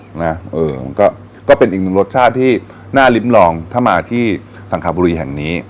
มันก็ก็เป็นอีกหนึ่งรสชาติที่น่าลิ้มลองถ้ามาที่สังขบุรีแห่งนี้